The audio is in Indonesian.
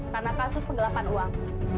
karena kasus pendelapan uang